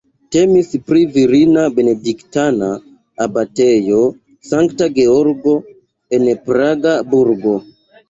Temis pri virina benediktana abatejo Sankta Georgo en Praga burgo.